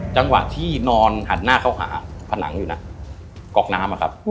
จังหวะที่นอนหันหน้าเข้าหาผนังอยู่นะก๊อกน้ำอะครับ